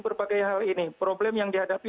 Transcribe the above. berbagai hal ini problem yang dihadapi